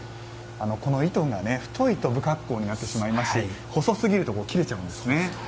この糸が太いと不格好になってしまいますし細すぎると切れちゃうんですね。